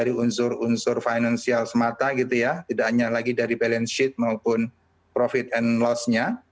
tidak hanya dari unsur unsur finansial semata tidak hanya lagi dari balance sheet maupun profit and loss nya